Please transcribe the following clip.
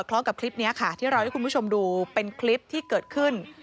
แล้วเราให้คุณผู้ชมดูเป็นคลิปที่เกิดขึ้น